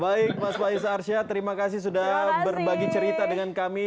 baik mas fais arsyad terima kasih sudah berbagi cerita dengan kami